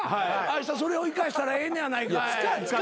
あしたそれを生かしたらええねやないかい。